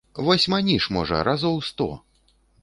Вось маніш, можа, разоў сто.